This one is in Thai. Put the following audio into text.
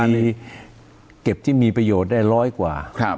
มีเก็บที่มีประโยชน์ได้๑๐๐กว่า